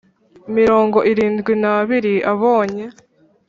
Mirongo irindwi n abiri abonye